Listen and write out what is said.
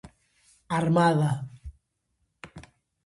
Armada.